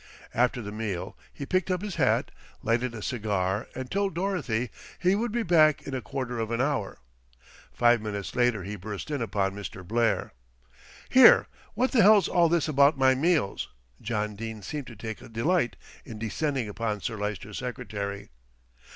After the meal he picked up his hat, lighted a cigar and told Dorothy he would be back in a quarter of an hour. Five minutes later he burst in upon Mr. Blair. "Here, what the hell's all this about my meals?" John Dene seemed to take a delight in descending upon Sir Lyster's secretary.